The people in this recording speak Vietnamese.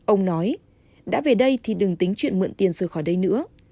ông nói đã về đây thì đừng tính chuyện mượn tiền rời khỏi đây nữa